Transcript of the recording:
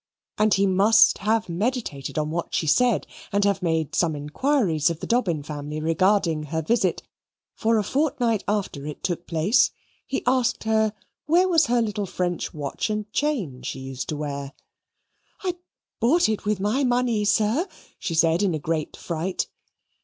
And he must have meditated on what she said and have made some inquiries of the Dobbin family regarding her visit, for a fortnight after it took place, he asked her where was her little French watch and chain she used to wear? "I bought it with my money, sir," she said in a great fright.